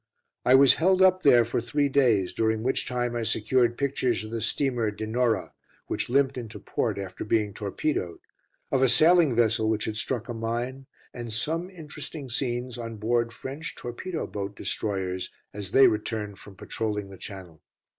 I was held up there for three days, during which time I secured pictures of the steamer Dinorah, which limped into port after being torpedoed, of a sailing vessel which had struck a mine, and some interesting scenes on board French torpedo boat destroyers as they returned from patrolling the Channel.